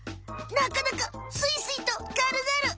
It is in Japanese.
なかなかスイスイとかるがる！